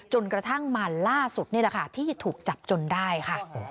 จนกระทั่งมาล่าสุดนี่แหละค่ะที่ถูกจับจนได้ค่ะ